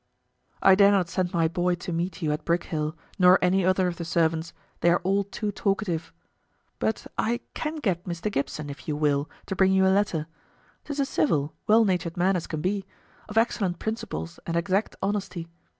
I dare not send my boy to meet you at Brickhill nor any other of the servants, they are all too talkative. But I can get Mr. Gibson, if you will, to bring you a letter. 'Tis a civil, well natured man as can be, of excellent principles and exact honesty.